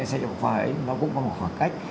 sách giáo khoa ấy nó cũng có một khoảng cách